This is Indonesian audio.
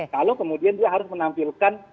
kalau kemudian dia harus menampilkan